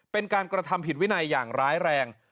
เป็นการกระทำผิดวินัยอย่างร้ายแรง